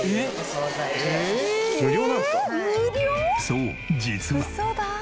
そう実は。